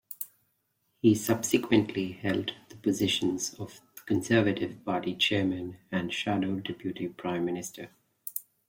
He subsequently held the positions of Conservative Party Chairman and Shadow Deputy Prime Minister.